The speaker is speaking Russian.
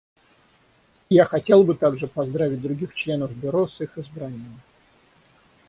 Я хотел бы также поздравить других членов Бюро с их избранием.